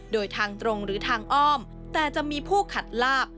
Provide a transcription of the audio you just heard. โดยทางตรงหรือทางอ้อมแต่จะมีผู้ขัดลาบ